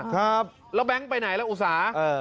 แล้วแบงค์ไปไหนแล้วอุษา